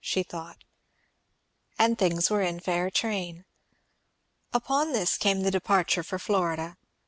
she thought; and things were in fair train. Upon this came the departure for Florida.